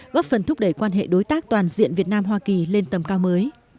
góp phần thúc đẩy quan hệ đối tác toàn diện việt nam hoa kỳ lên tầm cao mới